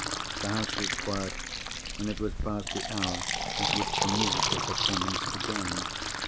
The house was quiet, and it was past the hour at which the musical performance began.